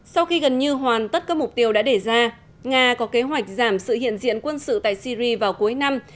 sau khi gần như hoàn tất các mục tiêu đã để ra nga có kế hoạch giảm sự hiện diện quân sự tại syri vào cuối năm